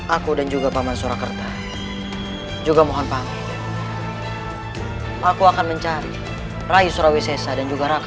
aku dan juga paman surakerta juga mohon panggil aku akan mencari rai surawisessa dan juga raka